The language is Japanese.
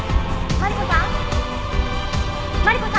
マリコさん？」